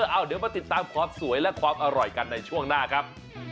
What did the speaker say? เอาเดี๋ยวมาติดตามความสวยและความอร่อยกันในช่วงหน้าครับ